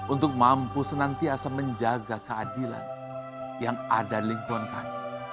untuk mampu senantiasa menjaga keadilan yang ada di lingkungan kami